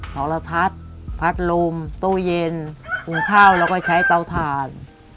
โทรทัศน์พัดลมตู้เย็นปรุงข้าวแล้วก็ใช้เตาถ่าน